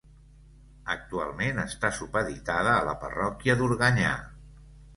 Actualment està supeditada a la parròquia d'Organyà.